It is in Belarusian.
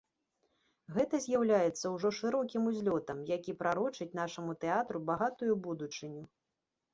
Гэта з'яўляецца ўжо шырокім узлётам, які прарочыць нашаму тэатру багатую будучыню.